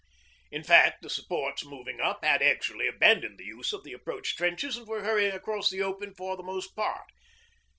In fact the supports moving up had actually abandoned the use of the approach trenches and were hurrying across the open for the most part.